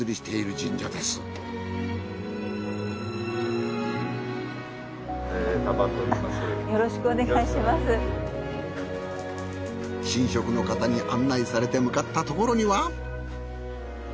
神職の方に案内されて向かったところには。